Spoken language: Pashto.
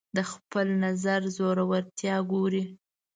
د خپل نظر زورورتیا ګوري